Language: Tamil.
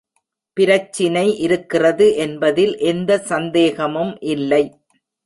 பிரச்சினை இருக்கிறது என்பதில் எந்த சந்தேகமும் இல்லை.